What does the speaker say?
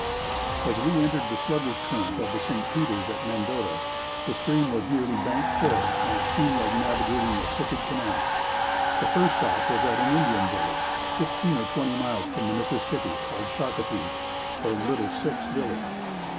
As we entered the sluggish current of the St. Peters at Mendota, the stream was nearly bank full and it seemed like navigating a crooked canal. The first stop was at an Indian village, fifteen or twenty miles from the Mississippi, called Shakopee, or Little Six village.